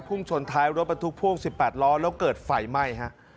ชนท้ายรถบรรทุกพ่วง๑๘ล้อแล้วเกิดไฟไหม้ฮะ